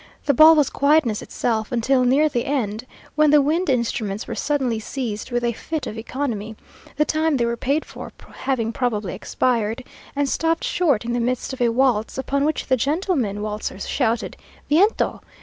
The ball was quietness itself, until near the end, when the wind instruments were suddenly seized with a fit of economy, the time they were paid for having probably expired, and stopped short in the midst of a waltz; upon which the gentlemen waltzers shouted "_Viento!